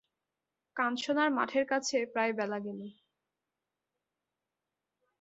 কানসোনার মাঠের কাছে প্রায় বেলা গেল।